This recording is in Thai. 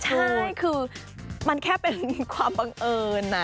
ใช่คือมันแค่เป็นความบังเอิญนะ